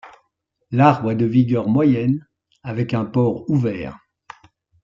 L’arbre est de vigueur moyenne avec un port ouvert.